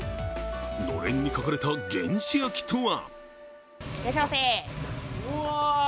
のれんに書かれた「原始焼き」とは。